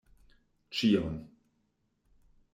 Ĉion!